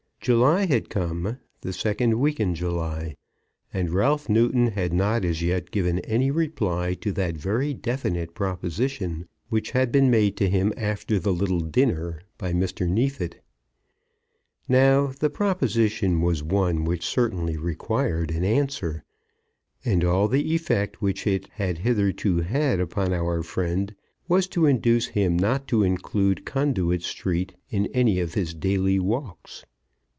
July had come, the second week in July, and Ralph Newton had not as yet given any reply to that very definite proposition which had been made to him after the little dinner by Mr. Neefit. Now the proposition was one which certainly required an answer; and all the effect which it had hitherto had upon our friend was to induce him not to include Conduit Street in any of his daily walks.